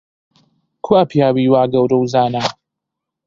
کوا پیاوی وا گەورە و زانا؟